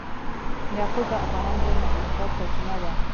یاقوت د افغانانو د معیشت سرچینه ده.